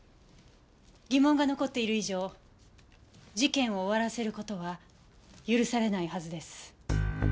疑問が残っている以上事件を終わらせる事は許されないはずです。